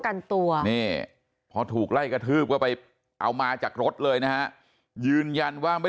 กันตัวนี่พอถูกไล่กระทืบก็ไปเอามาจากรถเลยนะฮะยืนยันว่าไม่